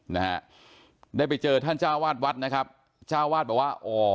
นะฮะได้ไปเจอท่านเจ้าวาดวัดนะครับเจ้าวาดบอกว่าอ๋อ